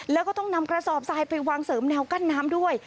แล้วก็ต้องนำกระสอบทรายไปวางเสริมแนวกั้นน้ำด้วย